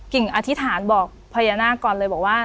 กิ่งอธิษฐานบอกพญานาคก่อนเลยบอกว่า